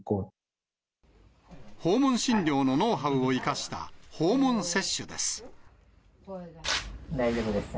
訪問診療のノウハウを生かし大丈夫ですね。